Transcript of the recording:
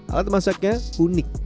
alat masaknya unik